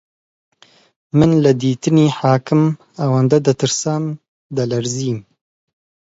من لە دیتنی حاکم ئەوەندە ترسام دەلەرزیم